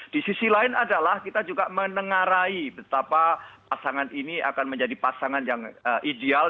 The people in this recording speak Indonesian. di sisi lain adalah kita juga menengarai betapa pasangan ini akan menjadi pasangan yang ideal